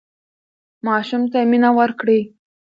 ماشوم ته مینه ورکړه.